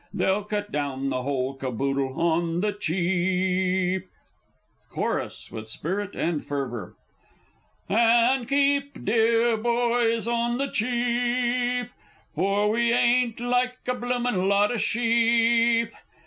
They'll cut down the whole caboodle On the Cheap! Chorus (with spirit and fervour). And keep, deah boys! On the Cheap! For we ain't like a bloomin' lot o' sheep.